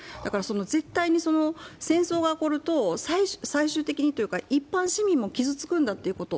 絶対に戦争が起こると、最終的にというか、一般市民も傷つくんだということ。